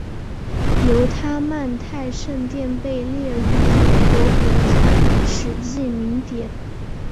犹他曼泰圣殿被列入美国国家史迹名录。